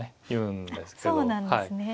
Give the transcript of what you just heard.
そうなんですね。